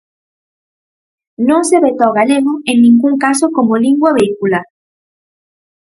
Non se veta o galego en ningún caso como lingua vehicular.